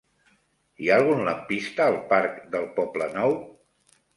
Hi ha algun lampista al parc del Poblenou?